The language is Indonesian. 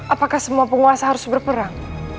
apakah semua penguasa harus berperang